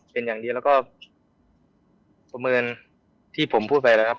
เป็นอย่างเดียวแล้วก็ประเมินที่ผมพูดไปแล้วครับ